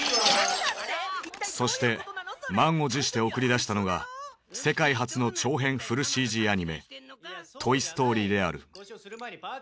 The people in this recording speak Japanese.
そして満を持して送り出したのが世界初の長編フルＣＧアニメ「トイ・ストーリー」である。